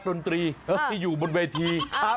แล้วน้องคนนี้ก็เหมือนคนที่มาดูแล้วก็ขอเพลงอะไรแบบนี้